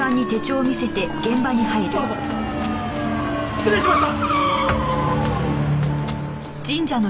失礼しました！